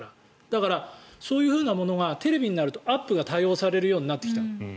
だから、そういうものがテレビになるとアップが多用されるようになってきた。